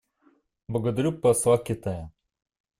Благодарю посла Китая.